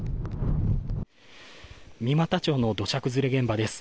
三股町の土砂崩れ現場です。